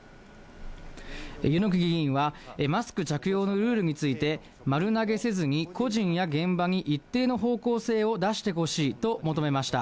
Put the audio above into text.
柚木議員はマスク着用のルールについて、丸投げせずに、個人や現場に一定の方向性を出してほしいと求めました。